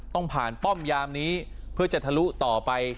ต้องผ่านป้อมยามนี้เพื่อจะทะลุต่อไป